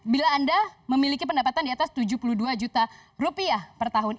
bila anda memiliki pendapatan di atas tujuh puluh dua juta rupiah per tahun